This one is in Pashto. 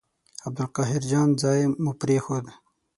عبدالقاهر جان ځای مو پرېښود.